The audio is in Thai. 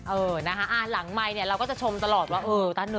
เออนะคะหลังไมค์เนี่ยเราก็จะชมตลอดว่าเออต้าน